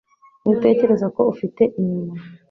Ntutekereza ko ufite inyuma?